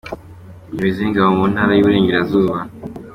Umuyobozi w’Ingabo mu ntara y’Iburengarazuba Gen.